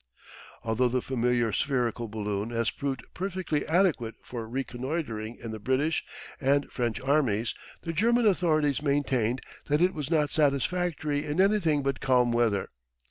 Although the familiar spherical balloon has proved perfectly adequate for reconnoitring in the British and French armies, the German authorities maintained that it was not satisfactory in anything but calm weather.